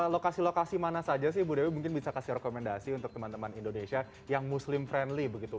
lokasi lokasi mana saja sih ibu dewi mungkin bisa kasih rekomendasi untuk teman teman indonesia yang muslim friendly begitu